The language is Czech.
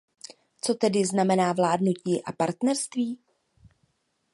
Co tedy znamená vládnutí a partnerství?